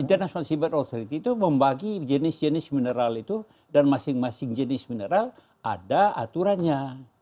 international cyber authority itu membagi jenis jenis mineral itu dan masing masing jenis mineral ada aturannya